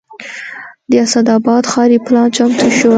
د اسداباد ښاري پلان چمتو شوی